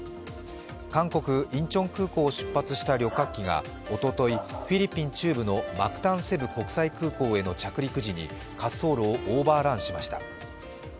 韓国・インチョン空港を出発した旅客機がおととい、フィリピン中部のマクタン・セブ国際空港への着陸時に滑走路をオーバーランしました。